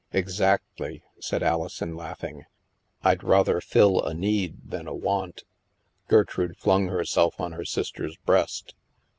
" Exactly," said Alison, laughing. " I'd rather fill a need than a want." Gertrude flung herself on her sister's breast.